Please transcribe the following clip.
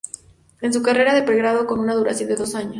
Es una carrera de pre grado con una duración de dos años.